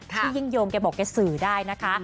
พี่ยิงโยมเคยสื่อได้นะคะ